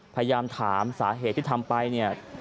พยายามถามสาเหตุที่ทำไปเนี่ย